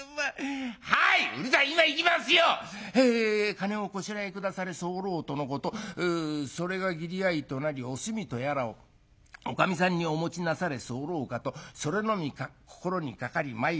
『金をこしらえ下され候とのことそれが義理合いとなりおすみとやらをおかみさんにお持ちなされ候かとそれのみ心にかかり参らせ候。